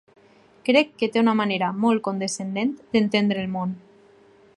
Crec que té una manera molt condescendent d’entendre el món.